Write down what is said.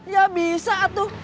ya bisa atuh